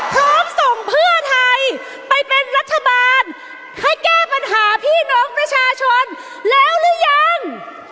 พร้อมส่งเพื่อไทยไปเป็นรัฐบาลให้แก้ปัญหาพี่น้องประชาชนแล้วหรือยัง